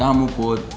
jemput kamu put